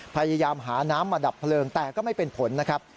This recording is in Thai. พยายามหาน้ำมาดับเพลิงแต่ก็ไม่เป็นผลนะครับ